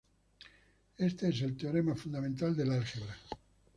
Éste es el teorema fundamental del álgebra.